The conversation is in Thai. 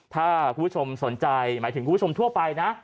ถ้าคุณผู้ชมสนใจหมายถึงคุณผู้ชมทั่วไปนะ